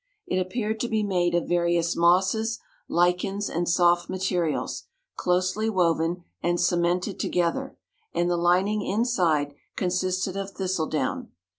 It appeared to be made of various mosses, lichens, and soft materials, closely woven and cemented together, and the lining inside consisted of thistle down.